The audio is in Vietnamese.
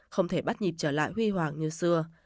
không thể bắt nhịp trở lại huy hoàng như xưa